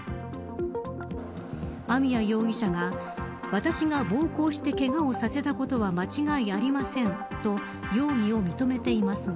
網谷容疑者が私が暴行してけがをさせたことは間違いありませんと容疑を認めていますが